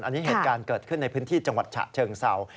อันนี้เหตุการณ์เกิดขึ้นในพื้นที่จังหวัดฉะเชิงเศร้า